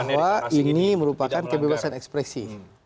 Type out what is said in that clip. bahwa ini merupakan kebebasan ekspresi